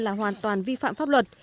là hoàn toàn vi phạm pháp luật